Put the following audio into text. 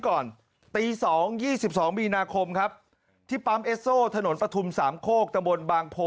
ก่อนตี๒๒มีนาคมครับที่ปั๊มเอสโซถนนปฐุมสามโคกตะบนบางโพ